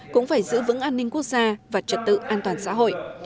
cũng phải giữ vững an ninh quốc gia và trật tự an toàn xã hội